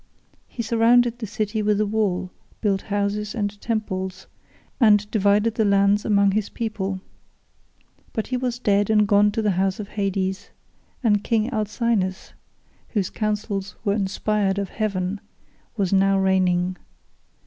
He surrounded the city with a wall, built houses and temples, and divided the lands among his people; but he was dead and gone to the house of Hades, and King Alcinous, whose counsels were inspired of heaven, was now reigning.